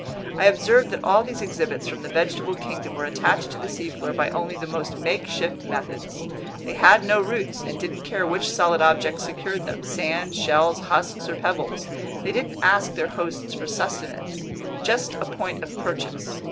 I observed that all these exhibits from the vegetable kingdom were attached to the seafloor by only the most makeshift methods. They had no roots and didn't care which solid objects secured them, sand, shells, husks, or pebbles; they didn't ask their hosts for sustenance, just a point of purchase.